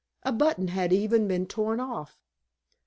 A button had even been torn off."